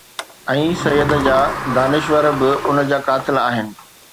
۽ سيد جا دانشور به ان جا قائل آهن.